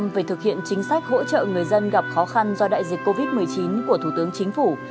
về thực hiện chính sách hỗ trợ người dân gặp khó khăn do đại dịch covid một mươi chín của thủ tướng chính phủ